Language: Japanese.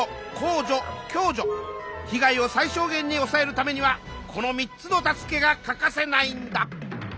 ひ害を最小限におさえるためにはこの３つの助けが欠かせないんだ。